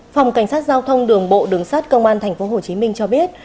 phòng cảnh sát giao thông đường bộ đường sát công an tp hcm cho biết